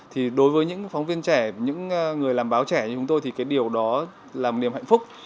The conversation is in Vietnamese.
thì đối với những phóng viên trẻ những người làm báo trẻ như chúng tôi thì cái điều đó là một điểm hạnh phúc